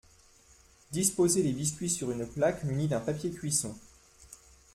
Disposez les biscuits sur une plaque munie d’un papier cuisson.